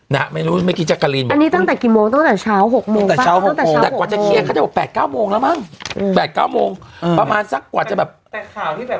ทัวร์๘๙นแล้วมั่ง๘๙นประมาณสักกว่าเท่าด้วย